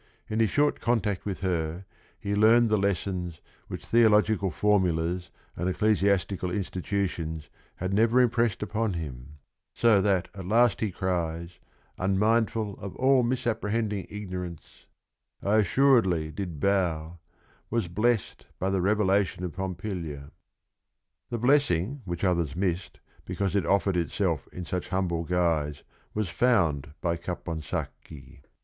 In his short contact with her he learned the lessons which theological formulas and ecclesiastical in stitutions had never impressed upon him, so that at last he cries, unmindful of " all misapprehend ing ignorance ""— I assuredly did bow, was blessed By the revelation of Pompilia." The blessing which others missed because it offered itself in such humble guise was found by Capon sacchi.